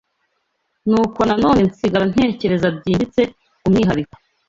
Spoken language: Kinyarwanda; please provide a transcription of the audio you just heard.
nuko na none nsigara ntekereza byimbitse ku mwihariko